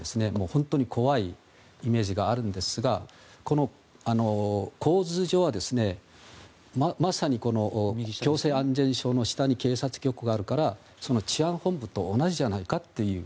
本当に怖いイメージがあるんですが構図上は、まさに行政安全省の下に警察局があるから、治安本部と同じじゃないかという。